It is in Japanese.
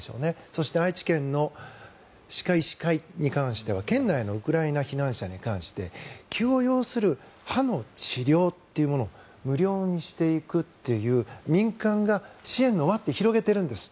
そして愛知県の歯科医師会に関しては県内のウクライナ避難者に関して急を要する歯の治療というのを無料にしていくという、民間が支援の輪を広げているんです。